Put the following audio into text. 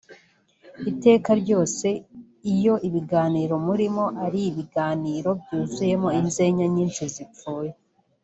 Iteka ryose iyo ibiganiro murimo ari ibiganiro byuzuye inzenya nyinshi zipfuye